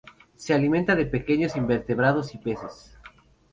Se alimenta de pequeños invertebrados y peces.